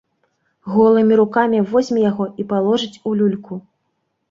Голымі рукамі возьме яго і паложыць у люльку.